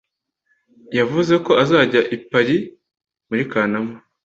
Yavuze ko azajya i Paris muri Kanama.